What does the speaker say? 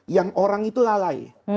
yang orang itu lalai